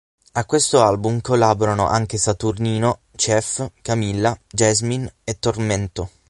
A questo album collaborano anche Saturnino, Chief, Camilla, Jasmine e Tormento.